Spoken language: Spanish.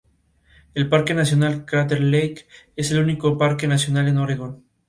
El Parque nacional Crater Lake es el único parque nacional en Oregón.